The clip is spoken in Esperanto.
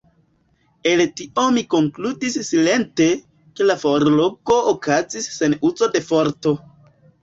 El tio mi konkludis silente, ke la forlogo okazis sen uzo de forto.